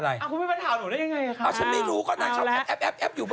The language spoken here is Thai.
เขาไม่มาถามหนูได้ยังไงอ่ะค่ะเอาแล้วอ่ะฉันไม่รู้ก่อนนะแอ๊บอยู่บนรถ